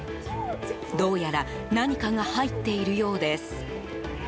どうやら何かが入っているようです。